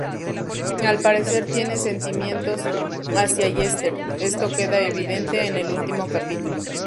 Al parecer tiene sentimientos hacia Jester, esto queda evidente en el último capítulo.